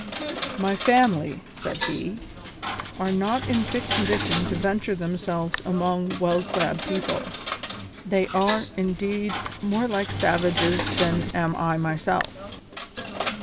"My family," said he, "are not in fit condition to venture themselves among well clad people. They are, indeed, more like savages than am I myself."